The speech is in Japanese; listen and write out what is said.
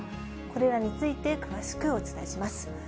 これらについて詳しくお伝えします。